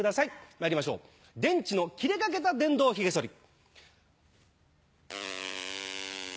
まいりましょう電池の切れかけた電動ひげ剃り。